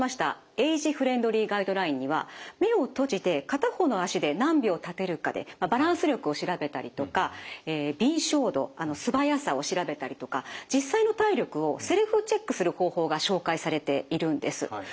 エイジフレンドリーガイドラインには目を閉じて片方の足で何秒立てるかでバランス力を調べたりとか敏捷度素早さを調べたりとかと同時に用意されているんです。